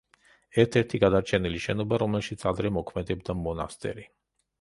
ერთ-ერთი გადარჩენილი შენობა, რომელშიც ადრე მოქმედებდა მონასტერი.